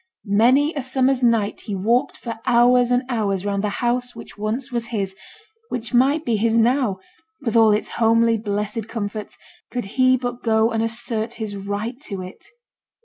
Many a summer's night he walked for hours and hours round the house which once was his, which might be his now, with all its homely, blessed comforts, could he but go and assert his right to it.